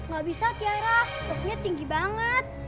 gak bisa tiara koknya tinggi banget